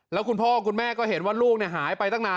แล้วคุณพ่อคุณแม่ก็เห็นว่าลูกหายไปตั้งนาน